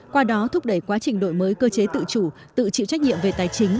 qua đó thúc đẩy quá trình đổi mới cơ chế tự chủ tự chịu trách nhiệm về tài chính